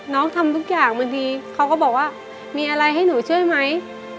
ทำทุกอย่างบางทีเขาก็บอกว่ามีอะไรให้หนูช่วยไหม